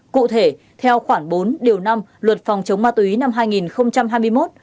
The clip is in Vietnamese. cụ thể theo khoảng bốn điều năm luật phòng chống ma túy năm hai nghìn hai mươi một